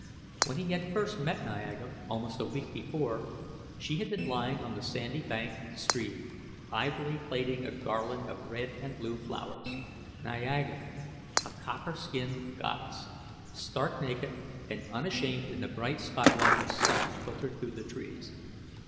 When he had first met Niaga, almost a week before, she had been lying on the sandy bank of the stream, idly plaiting a garland of red and blue flowers. Niaga! A copper skinned goddess, stark naked and unashamed in the bright spot light of sun filtered through the trees.